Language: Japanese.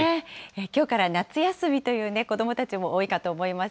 きょうから夏休みという子どもたちも多いかと思います。